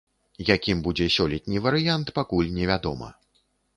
Якім будзе сёлетні варыянт, пакуль невядома.